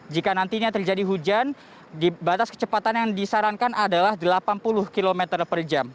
jika nantinya terjadi hujan batas kecepatan yang disarankan adalah delapan puluh km per jam